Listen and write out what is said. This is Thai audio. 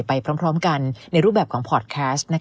ไปพร้อมกันในรูปแบบของพอร์ตแคสต์